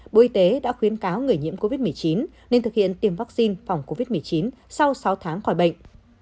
bộ y tế đã khuyến cáo người nhiễm covid một mươi chín nên thực hiện tiêm vaccine phòng covid một mươi chín sau sáu tháng khỏi bệnh